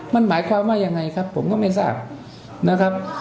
มันหมายความว่ายังไงครับผมก็ไม่ทราบนะครับ